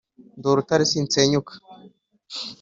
ndi urutare si nsenyuka.